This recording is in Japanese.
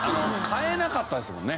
買えなかったですもんね。